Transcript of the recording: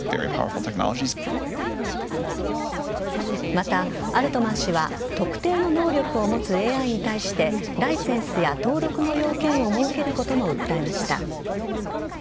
また、アルトマン氏は特定の能力を持つＡＩに対してライセンスや登録の要件を設けることも訴えました。